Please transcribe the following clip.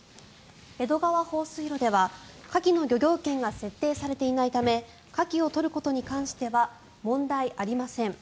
江戸川放水路ではカキの漁業権が設定されていないためカキを取ることに関しては問題ありません。